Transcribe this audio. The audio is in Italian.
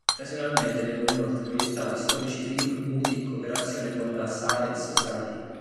Occasionalmente vengono inoltre proiettati storici Film muti in cooperazione con la "Silent Society".